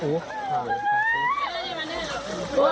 ไปไปต่อไว้